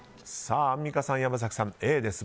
アンミカさん、山崎さんＡです。